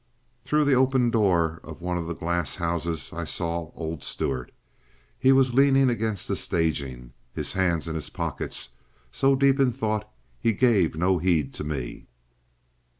Through the open door of one of the glass houses I saw old Stuart. He was leaning against the staging, his hands in his pockets, and so deep in thought he gave no heed to me.